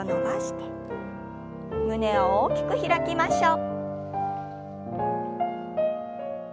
胸を大きく開きましょう。